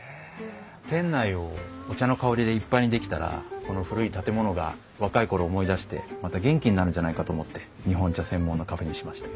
店内をお茶の香りでいっぱいにできたらこの古い建物が若い頃を思い出してまた元気になるんじゃないかと思って日本茶専門のカフェにしました。